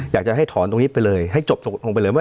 อยากจะให้ถอนตรงนี้ไปเลยให้จบลงไปเลยว่า